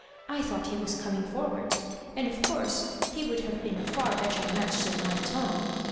." I thought he was coming forward, and of course he would have been a far better match than my Tom.